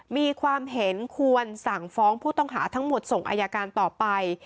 มีความเห็นควรสั่งฟ้องผู้ต้องหาทั้งหมดส่งอายการต่อไป